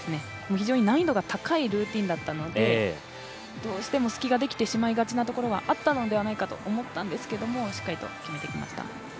非常に難易度が高いルーティンだったのでどうしても隙ができてしまいがちなところがあったと思ったんですけどもしっかりと決めてきました。